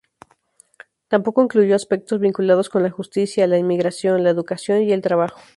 Tampoco incluyó aspectos vinculados con la justicia, la inmigración, la educación y el trabajo.